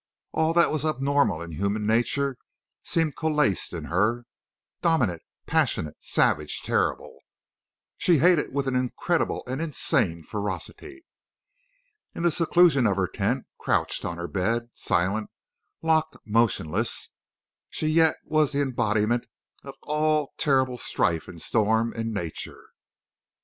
All that was abnormal in human nature seemed coalesced in her, dominant, passionate, savage, terrible. She hated with an incredible and insane ferocity. In the seclusion of her tent, crouched on her bed, silent, locked, motionless, she yet was the embodiment of all terrible strife and storm in nature.